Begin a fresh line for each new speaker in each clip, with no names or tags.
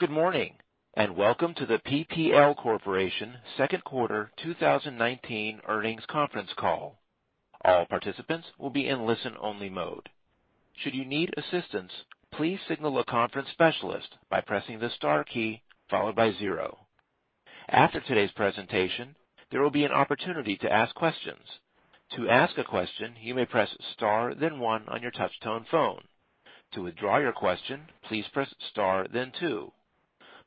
Good morning, and welcome to the PPL Corporation second quarter 2019 earnings conference call. All participants will be in listen-only mode. Should you need assistance, please signal a conference specialist by pressing the star key followed by zero. After today's presentation, there will be an opportunity to ask questions. To ask a question, you may press star then one on your touch tone phone. To withdraw your question, please press star then two.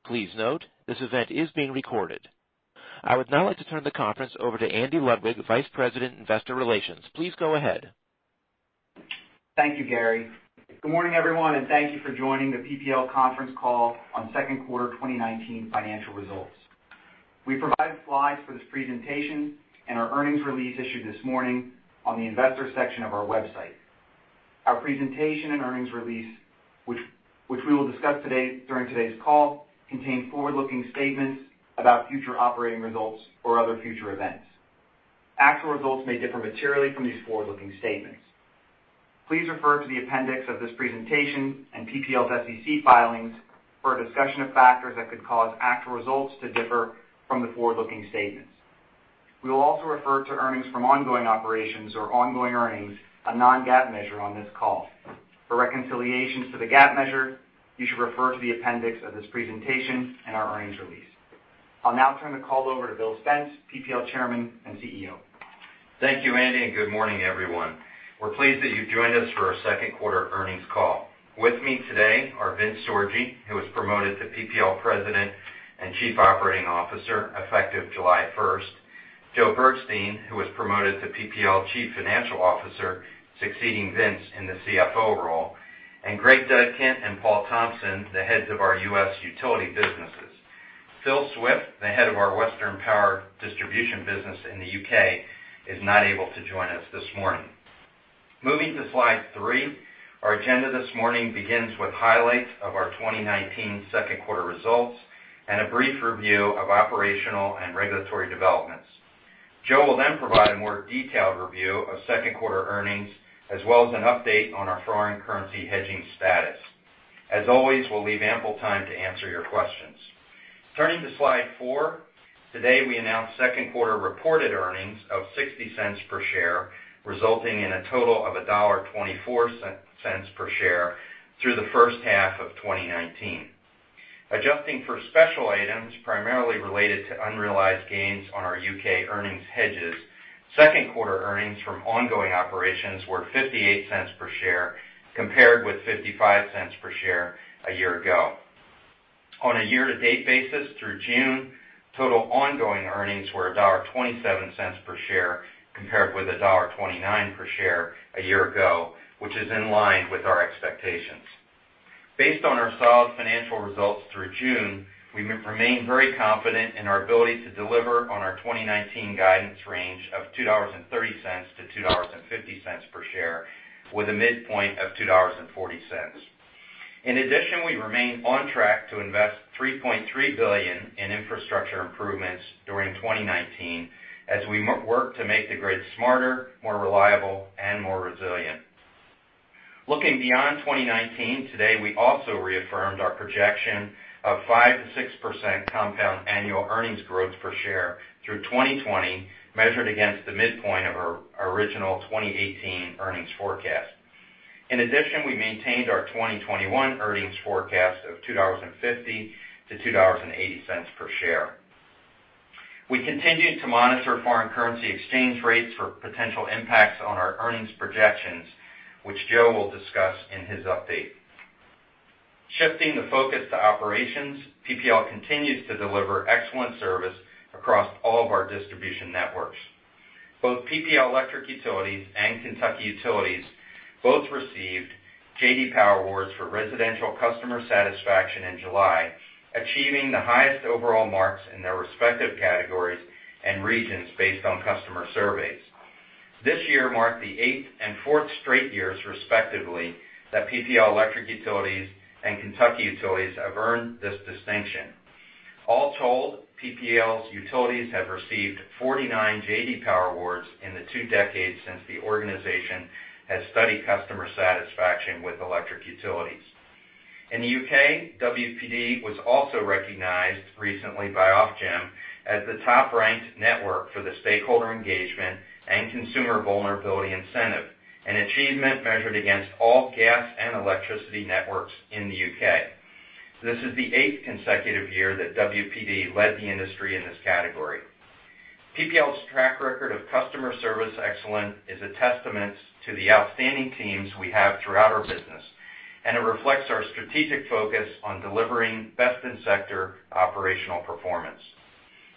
Please note, this event is being recorded. I would now like to turn the conference over to Andy Ludwig, Vice President, Investor Relations. Please go ahead.
Thank you, Gary. Good morning, everyone, and thank you for joining the PPL conference call on second quarter 2019 financial results. We provided slides for this presentation and our earnings release issued this morning on the investor section of our website. Our presentation and earnings release, which we will discuss during today's call, contain forward-looking statements about future operating results or other future events. Actual results may differ materially from these forward-looking statements. Please refer to the appendix of this presentation and PPL's SEC filings for a discussion of factors that could cause actual results to differ from the forward-looking statements. We will also refer to earnings from ongoing operations or ongoing earnings, a non-GAAP measure on this call. For reconciliations to the GAAP measure, you should refer to the appendix of this presentation and our earnings release. I'll now turn the call over to Bill Spence, PPL Chairman and CEO.
Thank you, Andy, good morning, everyone. We're pleased that you've joined us for our second quarter earnings call. With me today are Vince Sorgi, who was promoted to PPL President and Chief Operating Officer effective July 1st, Joe Bergstein, who was promoted to PPL Chief Financial Officer, succeeding Vince in the CFO role, Greg Dudkin and Paul Thompson, the heads of our U.S. utility businesses. Phil Swift, the head of our Western Power Distribution business in the U.K., is not able to join us this morning. Moving to slide three, our agenda this morning begins with highlights of our 2019 second quarter results and a brief review of operational and regulatory developments. Joe will provide a more detailed review of second quarter earnings, as well as an update on our foreign currency hedging status. As always, we'll leave ample time to answer your questions. Turning to slide four, today we announced second quarter reported earnings of $0.60 per share, resulting in a total of $1.24 per share through the first half of 2019. Adjusting for special items, primarily related to unrealized gains on our U.K. earnings hedges, second quarter earnings from ongoing operations were $0.58 per share compared with $0.55 per share a year ago. On a year-to-date basis through June, total ongoing earnings were $1.27 per share compared with $1.29 per share a year ago, which is in line with our expectations. Based on our solid financial results through June, we remain very confident in our ability to deliver on our 2019 guidance range of $2.30-$2.50 per share with a midpoint of $2.40. In addition, we remain on track to invest $3.3 billion in infrastructure improvements during 2019 as we work to make the grid smarter, more reliable, and more resilient. Looking beyond 2019, today, we also reaffirmed our projection of 5%-6% compound annual earnings growth per share through 2020, measured against the midpoint of our original 2018 earnings forecast. In addition, we maintained our 2021 earnings forecast of $2.50-$2.80 per share. We continue to monitor foreign currency exchange rates for potential impacts on our earnings projections, which Joe will discuss in his update. Shifting the focus to operations, PPL continues to deliver excellent service across all of our distribution networks. Both PPL Electric Utilities and Kentucky Utilities both received J.D. Power Awards for residential customer satisfaction in July, achieving the highest overall marks in their respective categories and regions based on customer surveys. This year marked the eighth and fourth straight years, respectively, that PPL Electric Utilities and Kentucky Utilities have earned this distinction. All told, PPL's utilities have received 49 J.D. Power Awards in the two decades since the organization has studied customer satisfaction with electric utilities. In the U.K., WPD was also recognized recently by Ofgem as the top-ranked network for the Stakeholder Engagement and Consumer Vulnerability Incentive, an achievement measured against all gas and electricity networks in the U.K. This is the eighth consecutive year that WPD led the industry in this category. PPL's track record of customer service excellence is a testament to the outstanding teams we have throughout our business, and it reflects our strategic focus on delivering best-in-sector operational performance.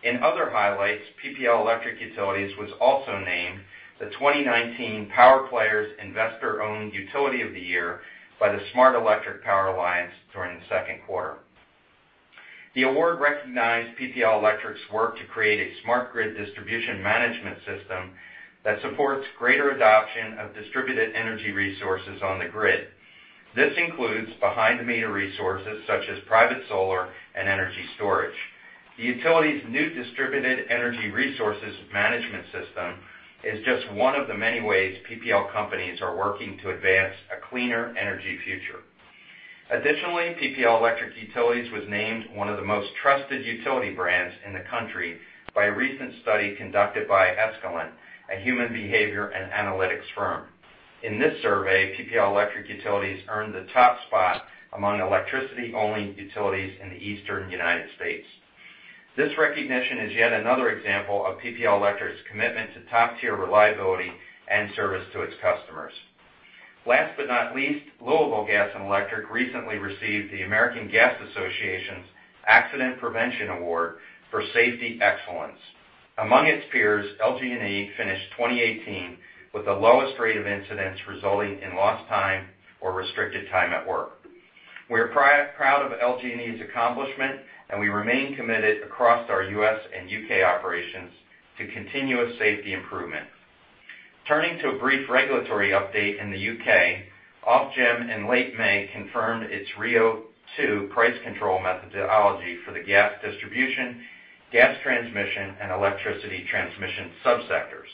In other highlights, PPL Electric Utilities was also named the 2019 Power Players Investor-Owned Utility of the Year by the Smart Electric Power Alliance during the second quarter. The award recognized PPL Electric's work to create a smart grid distribution management system that supports greater adoption of distributed energy resources on the grid. This includes behind-the-meter resources such as private solar and energy storage. The utility's new distributed energy resources management system is just one of the many ways PPL companies are working to advance a cleaner energy future. Additionally, PPL Electric Utilities was named one of the most trusted utility brands in the country by a recent study conducted by Escalent, a human behavior and analytics firm. In this survey, PPL Electric Utilities earned the top spot among electricity-only utilities in the Eastern U.S. This recognition is yet another example of PPL Electric's commitment to top-tier reliability and service to its customers. Last but not least, Louisville Gas & Electric recently received the American Gas Association's Accident Prevention Award for safety excellence. Among its peers, LG&E finished 2018 with the lowest rate of incidents resulting in lost time or restricted time at work. We're proud of LG&E's accomplishment, and we remain committed across our U.S. and U.K. operations to continuous safety improvement. Turning to a brief regulatory update in the U.K., Ofgem in late May confirmed its RIIO-2 price control methodology for the gas distribution, gas transmission, and electricity transmission sub-sectors.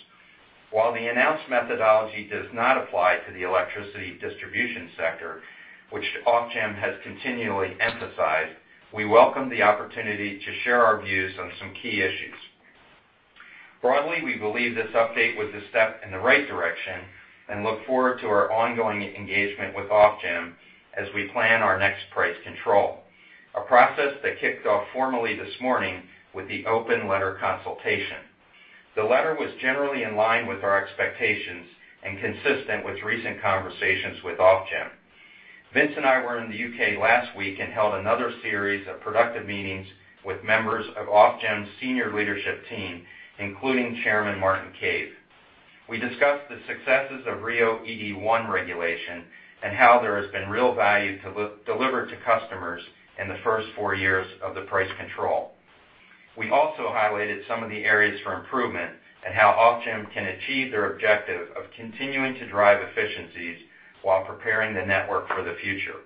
While the announced methodology does not apply to the electricity distribution sector, which Ofgem has continually emphasized, we welcome the opportunity to share our views on some key issues. Broadly, we believe this update was a step in the right direction and look forward to our ongoing engagement with Ofgem as we plan our next price control, a process that kicked off formally this morning with the open letter consultation. The letter was generally in line with our expectations and consistent with recent conversations with Ofgem. Vince and I were in the U.K. last week and held another series of productive meetings with members of Ofgem's senior leadership team, including Chairman Martin Cave. We discussed the successes of RIIO-ED1 regulation and how there has been real value delivered to customers in the first four years of the price control. We also highlighted some of the areas for improvement and how Ofgem can achieve their objective of continuing to drive efficiencies while preparing the network for the future.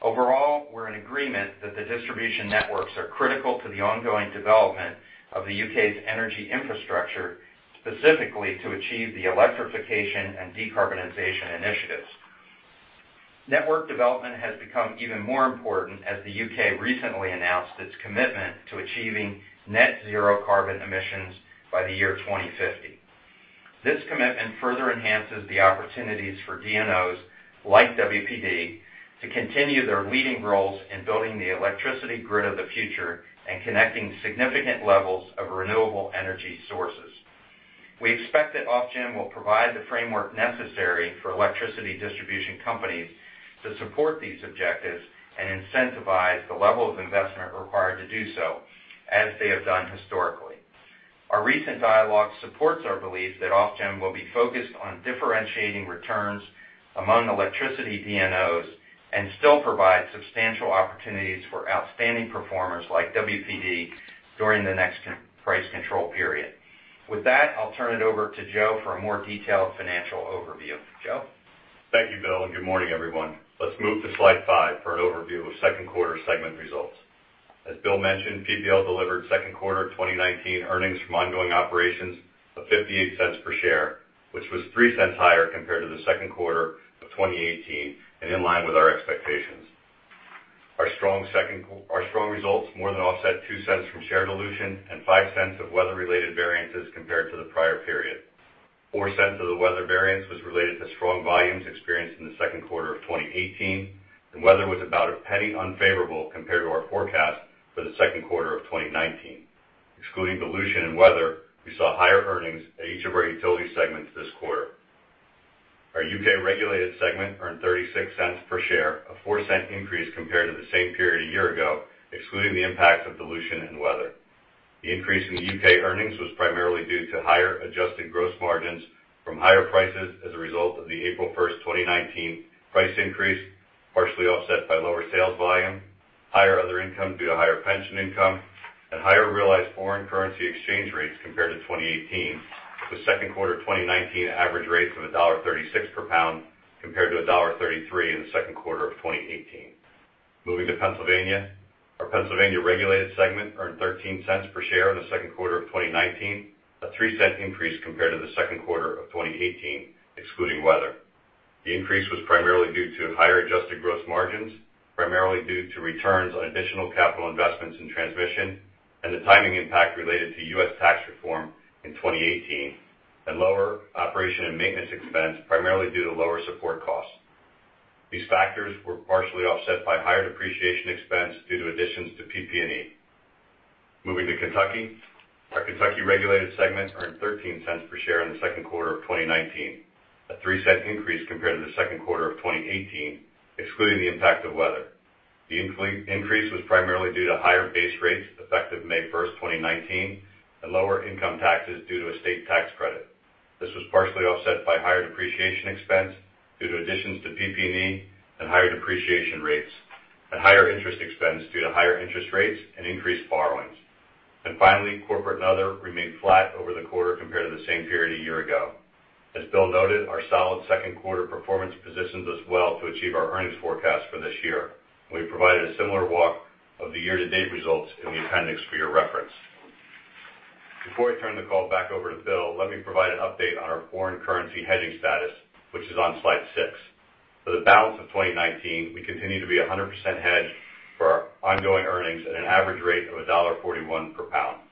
Overall, we're in agreement that the distribution networks are critical to the ongoing development of the U.K.'s energy infrastructure, specifically to achieve the electrification and decarbonization initiatives. Network development has become even more important as the U.K. recently announced its commitment to achieving net zero carbon emissions by the year 2050. This commitment further enhances the opportunities for DNOs like WPD to continue their leading roles in building the electricity grid of the future and connecting significant levels of renewable energy sources. We expect that Ofgem will provide the framework necessary for electricity distribution companies to support these objectives and incentivize the level of investment required to do so, as they have done historically. Our recent dialogue supports our belief that Ofgem will be focused on differentiating returns among electricity DNOs and still provide substantial opportunities for outstanding performers like WPD during the next price control period. With that, I'll turn it over to Joe for a more detailed financial overview. Joe?
Thank you, Bill, good morning, everyone. Let's move to slide five for an overview of second quarter segment results. As Bill mentioned, PPL delivered second quarter 2019 earnings from ongoing operations of $0.58 per share, which was $0.03 higher compared to the second quarter of 2018 and in line with our expectations. Our strong results more than offset $0.02 from share dilution and $0.05 of weather-related variances compared to the prior period. $0.04 of the weather variance was related to strong volumes experienced in the second quarter of 2018, and weather was about $0.01 unfavorable compared to our forecast for the second quarter of 2019. Excluding dilution and weather, we saw higher earnings at each of our utility segments this quarter. Our U.K. regulated segment earned $0.36 per share, a $0.04 increase compared to the same period a year ago, excluding the impact of dilution and weather. The increase in the U.K. earnings was primarily due to higher adjusted gross margins from higher prices as a result of the April 1st, 2019, price increase, partially offset by lower sales volume, higher other income due to higher pension income, and higher realized foreign currency exchange rates compared to 2018. The second quarter 2019 average rates of $1.36 per pound compared to $1.33 in the second quarter of 2018. Moving to Pennsylvania, our Pennsylvania regulated segment earned $0.13 per share in the second quarter of 2019, a $0.03 increase compared to the second quarter of 2018, excluding weather. The increase was primarily due to higher adjusted gross margins, primarily due to returns on additional capital investments in transmission and the timing impact related to U.S. tax reform in 2018, and lower operation and maintenance expense, primarily due to lower support costs. These factors were partially offset by higher depreciation expense due to additions to PP&E. Moving to Kentucky, our Kentucky regulated segment earned $0.13 per share in the second quarter of 2019, a $0.03 increase compared to the second quarter of 2018, excluding the impact of weather. The increase was primarily due to higher base rates effective May 1st, 2019, and lower income taxes due to a state tax credit. This was partially offset by higher depreciation expense due to additions to PP&E and higher depreciation rates and higher interest expense due to higher interest rates and increased borrowings. Finally, corporate and other remained flat over the quarter compared to the same period a year ago. As Bill noted, our solid second quarter performance positions us well to achieve our earnings forecast for this year. We provided a similar walk of the year-to-date results in the appendix for your reference. Before I turn the call back over to Bill, let me provide an update on our foreign currency hedging status, which is on slide six. For the balance of 2019, we continue to be 100% hedged for our ongoing earnings at an average rate of $1.41 per pound.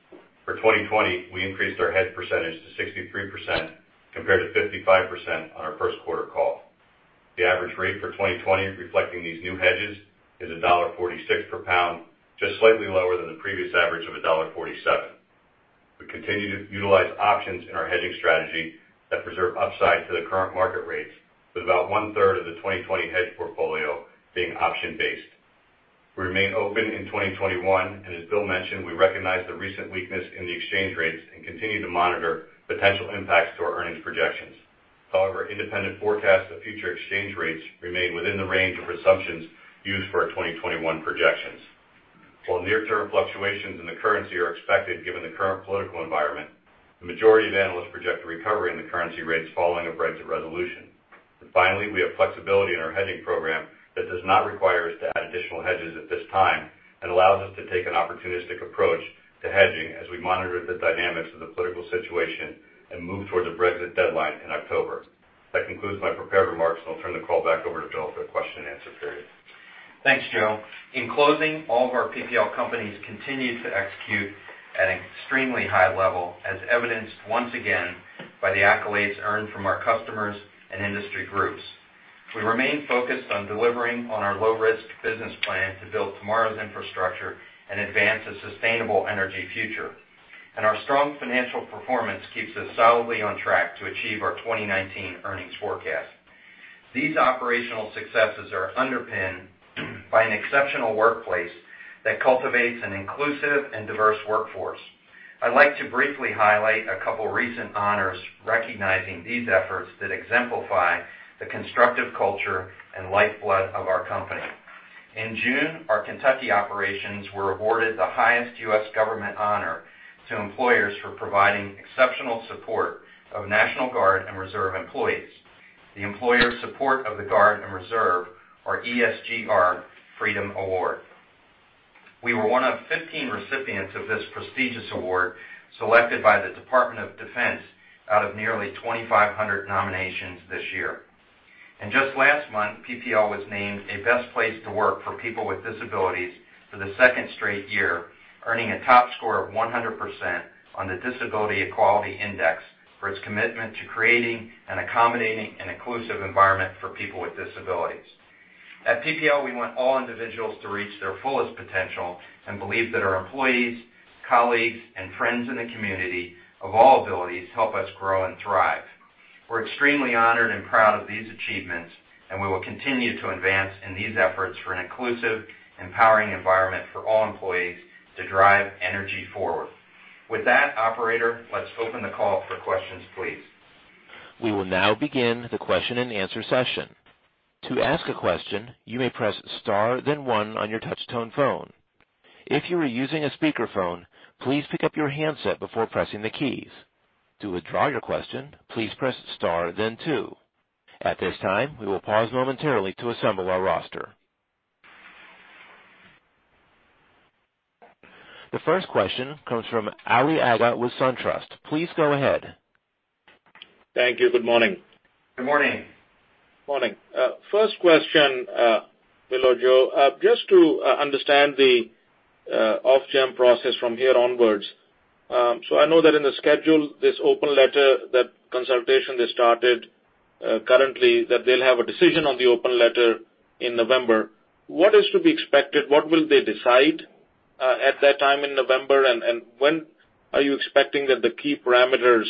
For 2020, we increased our hedge percentage to 63%, compared to 55% on our first quarter call. The average rate for 2020 reflecting these new hedges is $1.46 per pound, just slightly lower than the previous average of $1.47. We continue to utilize options in our hedging strategy that preserve upside to the current market rates with about one-third of the 2020 hedge portfolio being option-based. We remain open in 2021, and as Bill mentioned, we recognize the recent weakness in the exchange rates and continue to monitor potential impacts to our earnings projections. However, independent forecasts of future exchange rates remain within the range of assumptions used for our 2021 projections. While near-term fluctuations in the currency are expected given the current political environment, the majority of analysts project a recovery in the currency rates following a Brexit resolution. Finally, we have flexibility in our hedging program that does not require us to add additional hedges at this time and allows us to take an opportunistic approach to hedging as we monitor the dynamics of the political situation and move towards a Brexit deadline in October. That concludes my prepared remarks, and I'll turn the call back over to Bill for the question and answer period.
Thanks, Joe. In closing, all of our PPL companies continue to execute at an extremely high level, as evidenced once again by the accolades earned from our customers and industry groups. We remain focused on delivering on our low-risk business plan to build tomorrow's infrastructure and advance a sustainable energy future. Our strong financial performance keeps us solidly on track to achieve our 2019 earnings forecast. These operational successes are underpinned by an exceptional workplace that cultivates an inclusive and diverse workforce. I'd like to briefly highlight a couple of recent honors recognizing these efforts that exemplify the constructive culture and lifeblood of our company. In June, our Kentucky operations were awarded the highest U.S. government honor to employers for providing exceptional support of National Guard and Reserve employees. The Employer Support of the Guard and Reserve, or ESGR Freedom Award. We were one of 15 recipients of this prestigious award, selected by the Department of Defense out of nearly 2,500 nominations this year. Just last month, PPL was named a best place to work for people with disabilities for the second straight year, earning a top score of 100% on the Disability Equality Index for its commitment to creating an accommodating and inclusive environment for people with disabilities. At PPL, we want all individuals to reach their fullest potential and believe that our employees, colleagues, and friends in the community of all abilities help us grow and thrive. We're extremely honored and proud of these achievements, and we will continue to advance in these efforts for an inclusive, empowering environment for all employees to drive energy forward. With that, operator, let's open the call for questions, please.
We will now begin the question and answer session. To ask a question, you may press star then one on your touch tone phone. If you are using a speakerphone, please pick up your handset before pressing the keys. To withdraw your question, please press star then two. At this time, we will pause momentarily to assemble our roster. The first question comes from Ali Agha with SunTrust. Please go ahead.
Thank you. Good morning.
Good morning.
Morning. First question, Bill or Joe. Just to understand the Ofgem process from here onward. I know that in the schedule, this open letter, that consultation they started currently, that they will have a decision on the open letter in November. What is to be expected? What will they decide at that time in November? When are you expecting that the key parameters,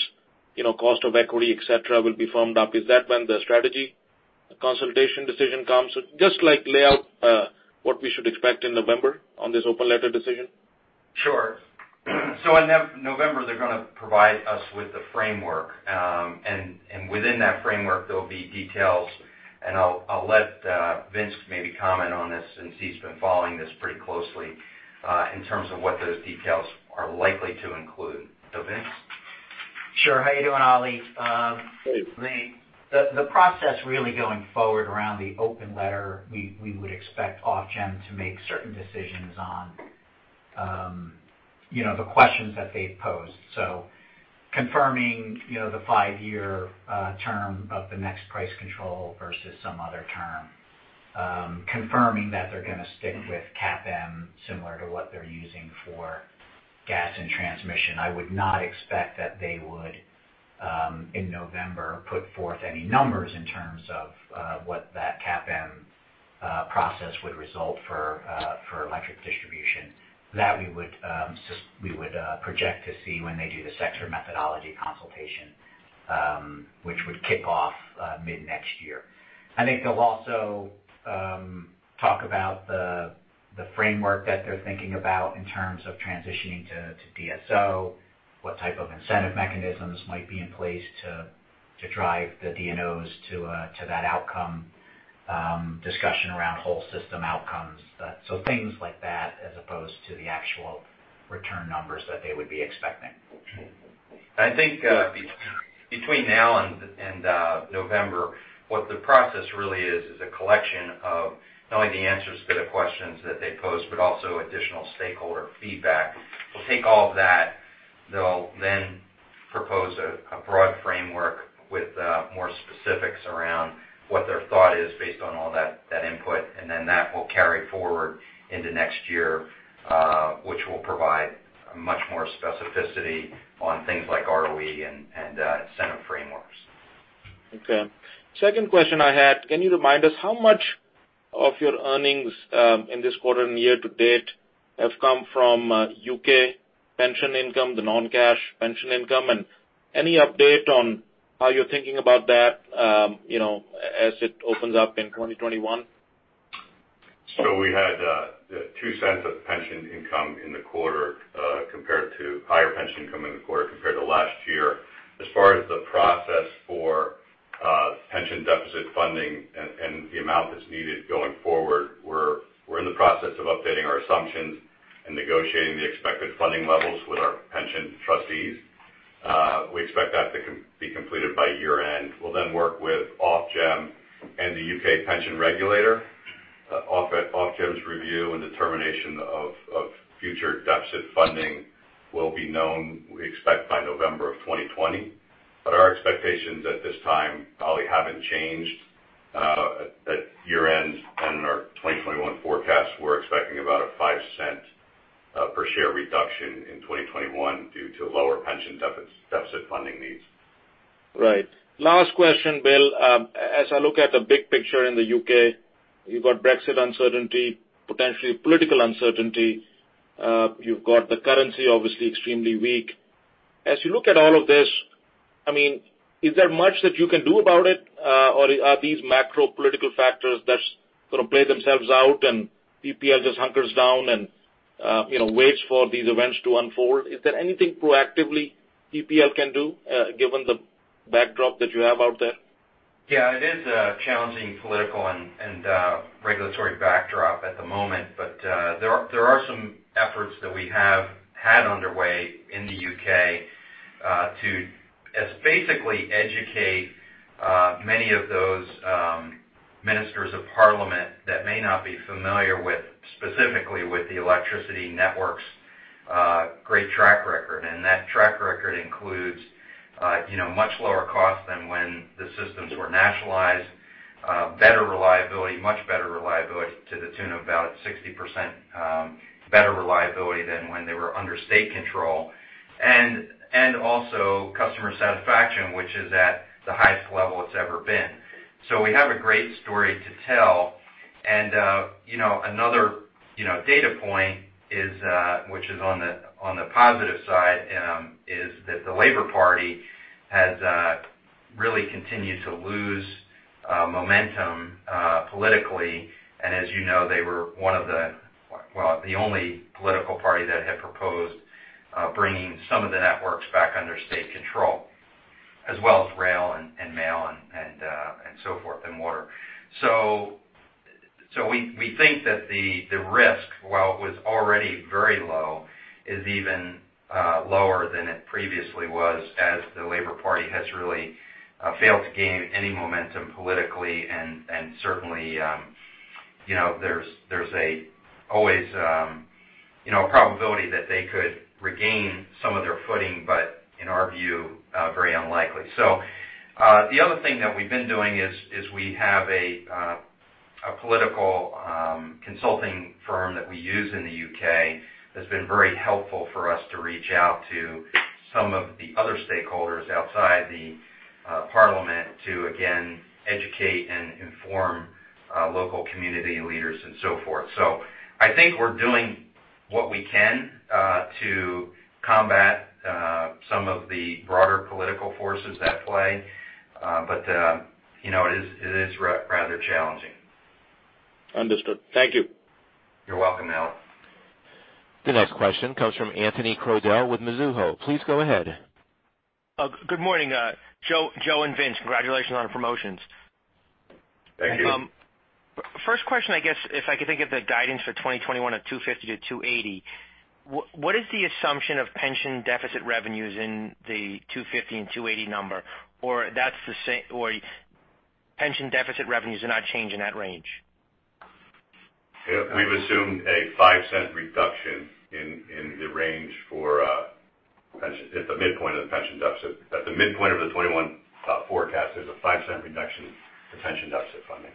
cost of equity, et cetera, will be firmed up? Is that when the strategy consultation decision comes? Just lay out what we should expect in November on this open letter decision.
Sure. In November, they're going to provide us with the framework. Within that framework, there'll be details, and I'll let Vince maybe comment on this since he's been following this pretty closely in terms of what those details are likely to include. Vince?
Sure. How you doing, Ali?
Good.
The process really going forward around the open letter, we would expect Ofgem to make certain decisions on the questions that they've posed. Confirming the five-year term of the next price control versus some other term. Confirming that they're going to stick with CAPM similar to what they're using for gas and transmission. I would not expect that they would, in November, put forth any numbers in terms of what that CAPM process would result for electric distribution. That we would project to see when they do the sector methodology consultation, which would kick off mid-next year. I think they'll also talk about the framework that they're thinking about in terms of transitioning to DSO, what type of incentive mechanisms might be in place to drive the DNOs to that outcome. Discussion around whole system outcomes. things like that as opposed to the actual return numbers that they would be expecting.
I think between now and November, what the process really is a collection of not only the answers to the questions that they pose, but also additional stakeholder feedback. They'll take all of that. They'll then propose a broad framework with more specifics around what their thought is based on all that input, and then that will carry forward into next year, which will provide much more specificity on things like ROE and incentive frameworks.
Okay. Second question I had, can you remind us how much of your earnings in this quarter and year-to-date have come from U.K. pension income, the non-cash pension income, and any update on how you're thinking about that as it opens up in 2021?
We had $0.02 of pension income in the quarter compared to higher pension income in the quarter compared to last year. As far as the process for pension deficit funding and the amount that's needed going forward, we're in the process of updating our assumptions and negotiating the expected funding levels with our pension trustees. We expect that to be completed by year-end. We'll then work with Ofgem and the U.K. pension regulator. Ofgem's review and determination of future deficit funding will be known, we expect, by November of 2020. Our expectations at this time probably haven't changed. At year-end and our 2021 forecast, we're expecting about a $0.05 per share reduction in 2021 due to lower pension deficit funding needs.
Right. Last question, Bill. As I look at the big picture in the U.K., you've got Brexit uncertainty, potentially political uncertainty. You've got the currency, obviously extremely weak. As you look at all of this, is there much that you can do about it? Are these macro political factors that's going to play themselves out and PPL just hunkers down and waits for these events to unfold? Is there anything proactively PPL can do given the backdrop that you have out there?
Yeah, it is a challenging political and regulatory backdrop at the moment. There are some efforts that we have had underway in the U.K. to basically educate many of those ministers of parliament that may not be familiar specifically with the electricity network's great track record. That track record includes much lower cost than when the systems were nationalized, better reliability, to the tune of about 60% better reliability than when they were under state control. Also customer satisfaction, which is at the highest level it's ever been. We have a great story to tell. Another data point which is on the positive side, is that the Labour Party has really continued to lose momentum politically. As you know, they were one of the, well, the only political party that had proposed bringing some of the networks back under state control, as well as rail and mail and so forth, and water. We think that the risk, while it was already very low, is even lower than it previously was, as the Labour Party has really failed to gain any momentum politically and certainly there's always a probability that they could regain some of their footing, but in our view, very unlikely. The other thing that we've been doing is we have a political consulting firm that we use in the U.K. that's been very helpful for us to reach out to some of the other stakeholders outside the parliament to, again, educate and inform local community leaders and so forth. I think we're doing what we can to combat some of the broader political forces at play. It is rather challenging.
Understood. Thank you.
You're welcome, Ali.
The next question comes from Anthony Crowdell with Mizuho. Please go ahead.
Good morning, Joe and Vince. Congratulations on the promotions.
Thank you.
First question, I guess, if I could think of the guidance for 2021 at $2.50-$2.80, what is the assumption of pension deficit revenues in the $2.50 and $2.80 number? Pension deficit revenues are not changing that range?
We've assumed a $0.05 reduction in the range at the midpoint of the pension deficit. At the midpoint of the 2021 forecast, there's a $0.05 reduction to pension deficit funding.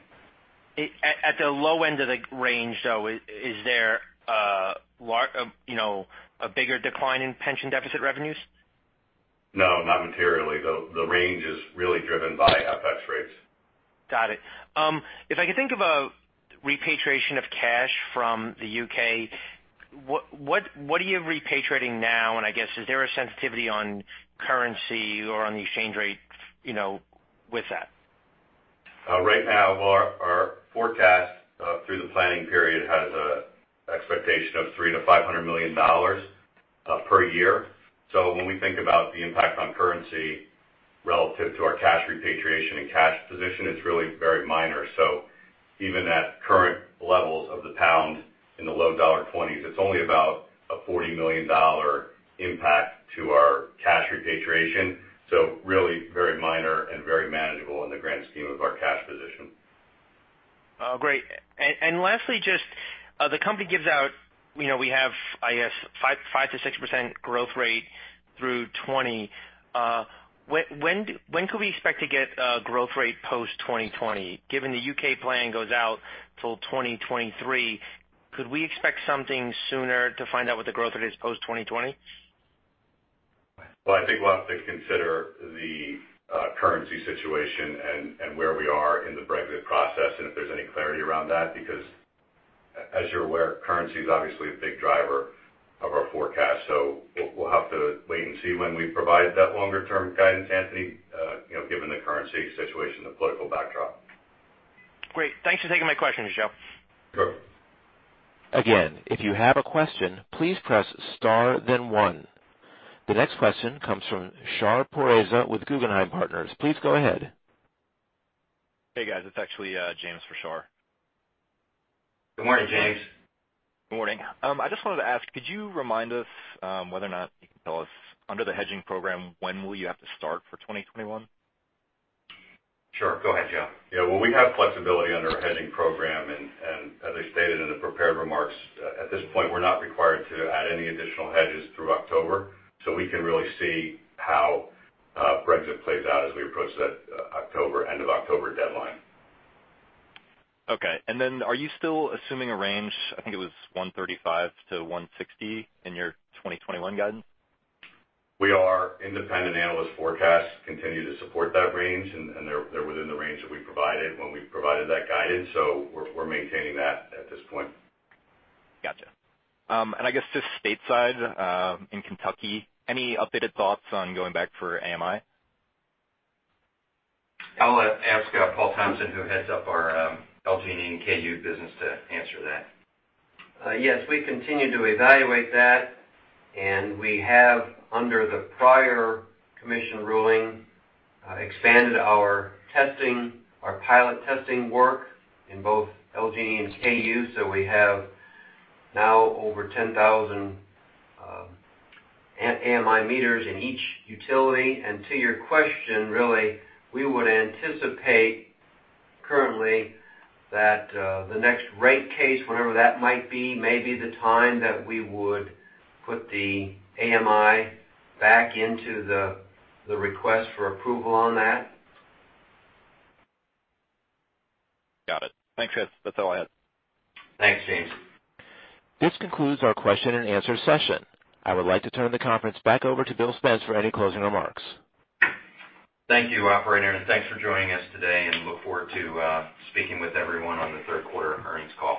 At the low end of the range, though, is there a bigger decline in pension deficit revenues?
No, not materially. The range is really driven by FX rates.
Got it. If I could think of a repatriation of cash from the U.K., what are you repatriating now? I guess is there a sensitivity on currency or on the exchange rate with that?
Right now, our forecast through the planning period has an expectation of $300 million-$500 million per year. When we think about the impact on currency-relative to our cash repatriation and cash position, it's really very minor. Even at current levels of the pound in the low $20s, it's only about a $40 million impact to our cash repatriation. Really very minor and very manageable in the grand scheme of our cash position.
Oh, great. Lastly, just the company gives out, we have, I guess, 5% to 6% growth rate through 2020. When could we expect to get a growth rate post 2020? Given the U.K. plan goes out till 2023, could we expect something sooner to find out what the growth rate is post 2020?
Well, I think we'll have to consider the currency situation and where we are in the Brexit process and if there's any clarity around that, because as you're aware, currency is obviously a big driver of our forecast. We'll have to wait and see when we provide that longer-term guidance, Anthony, given the currency situation, the political backdrop.
Great. Thanks for taking my question, Michel.
Sure.
Again, if you have a question, please press star then one. The next question comes from Shar Pourreza with Guggenheim Partners. Please go ahead.
Hey, guys. It's actually James for Shar.
Good morning, James.
Good morning. I just wanted to ask, could you remind us whether or not you can tell us under the hedging program, when will you have to start for 2021?
Sure. Go ahead, [inaudible]
Yeah. Well, we have flexibility under our hedging program, and as I stated in the prepared remarks, at this point, we're not required to add any additional hedges through October, so we can really see how Brexit plays out as we approach that end of October deadline.
Okay. Then are you still assuming a range, I think it was $1.35-$1.60 in your 2021 guidance?
We are. Independent analyst forecasts continue to support that range, and they're within the range that we provided when we provided that guidance. We're maintaining that at this point.
Gotcha. I guess just stateside in Kentucky, any updated thoughts on going back for AMI?
I'll ask Paul Thompson, who heads up our LG&E and KU business to answer that.
Yes, we continue to evaluate that, and we have, under the prior commission ruling, expanded our pilot testing work in both LG&E and KU. We have now over 10,000 AMI meters in each utility. To your question, really, we would anticipate currently that the next rate case, whenever that might be, may be the time that we would put the AMI back into the request for approval on that.
Got it. Thanks, guys. That's all I had.
Thanks, James.
This concludes our question and answer session. I would like to turn the conference back over to Bill Spence for any closing remarks.
Thank you, operator, and thanks for joining us today, and we look forward to speaking with everyone on the third quarter earnings call.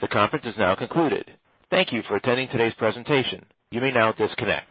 The conference is now concluded. Thank you for attending today's presentation. You may now disconnect.